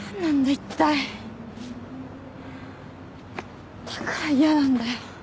いったいだから嫌なんだよ